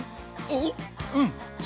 おっうん！